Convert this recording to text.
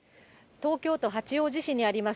東京都八王子市にあります